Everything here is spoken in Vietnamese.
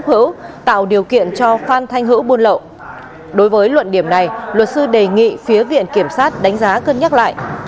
phan thanh hữu buôn lậu đối với luận điểm này luật sư đề nghị phía viện kiểm sát đánh giá cân nhắc lại